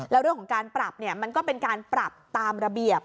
แล้วเรื่องของการปรับเนี่ยมันก็เป็นการปรับตามระเบียบ